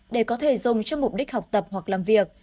để có thể dùng cho mục đích học tập hoặc làm việc